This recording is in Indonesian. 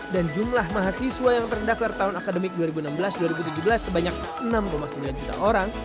dan jumlah mahasiswa yang terendah selama tahun akademik dua ribu enam belas dua ribu tujuh belas sebanyak enam sembilan juta orang